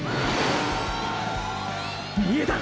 見えたァ！！